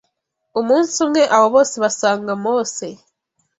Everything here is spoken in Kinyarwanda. Umunsi umwe abo bose basanga Mose